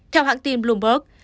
theo hãng tin bloomberg